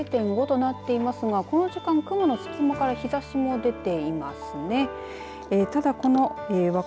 １時間の雨の量０．５となっていますがこの時間雲の隙間から日ざしも出ていますね。